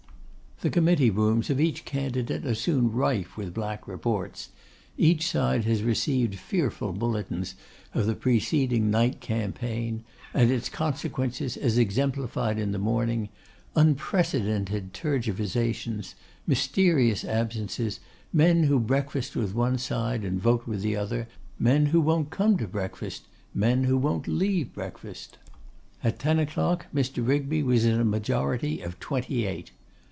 The committee rooms of each candidate are soon rife with black reports; each side has received fearful bulletins of the preceding night campaign; and its consequences as exemplified in the morning, unprecedented tergiversations, mysterious absences; men who breakfast with one side and vote with the other; men who won't come to breakfast; men who won't leave breakfast. At ten o'clock Mr. Rigby was in a majority of twenty eight.